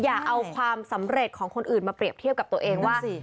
อย่าเอาความสำเร็จของคนอื่นมาเปรียบเทียบกับตัวเองว่า